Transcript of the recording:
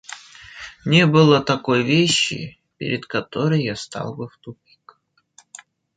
Не было такой вещи, перед которой я встал бы в тупик.